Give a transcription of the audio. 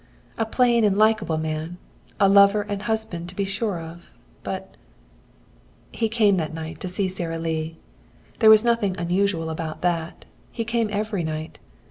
A plain and likable man, a lover and husband to be sure of. But He came that night to see Sara Lee. There was nothing unusual about that. He came every night.